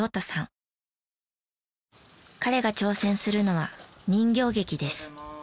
彼が挑戦するのは人形劇です。